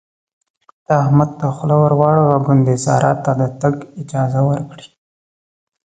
ته احمد ته خوله ور واړوه ګوندې سارا ته د تګ اجازه ورکړي.